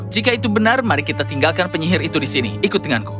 jika itu benar mari kita tinggalkan penyihir itu di sini ikut denganku